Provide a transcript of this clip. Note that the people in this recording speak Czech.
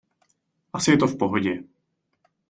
Asi je to v pohodě.